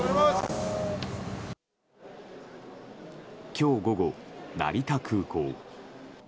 今日午後、成田空港。